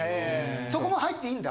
そこも入っていいんだ。